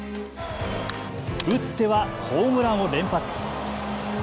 打ってはホームランを連発。